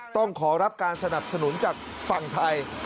ต้องขอรับการสนับสนุนจากฝั่งไทย